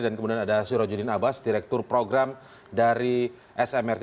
dan kemudian ada surojudin abas direktur program dari smrc